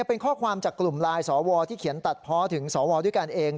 เป็นข้อความจากกลุ่มไลน์สวที่เขียนตัดเพาะถึงสวด้วยกันเอง